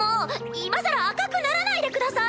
今更赤くならないでください！